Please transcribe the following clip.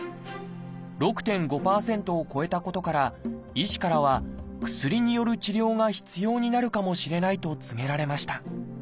６．５％を超えたことから医師からは薬による治療が必要になるかもしれないと告げられました。